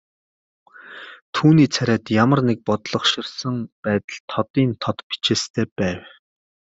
Түүний царайд ямар нэг бодлогоширсон байдал тодын тод бичээстэй байв.